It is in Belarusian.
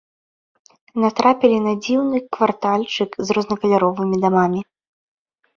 Натрапілі на дзіўны квартальчык з рознакаляровымі дамамі.